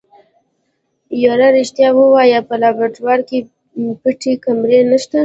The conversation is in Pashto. يره رښتيا ووايه په لابراتوار کې پټې کمرې نشته.